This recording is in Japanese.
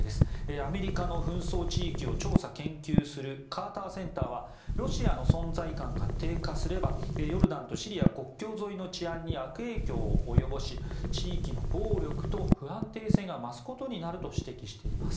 アメリカの紛争地域を調査・研究するカーターセンターはロシアの存在感が低下すればヨルダンとシリア国境沿いの治安に悪影響を及ぼし地域の暴力と不安定性が増すことになると指摘しています。